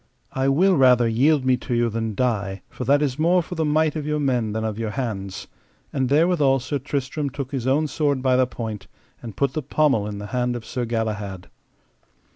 I will rather yield me to you than die for that is more for the might of your men than of your hands. And therewithal Sir Tristram took his own sword by the point, and put the pommel in the hand of Sir Galahad.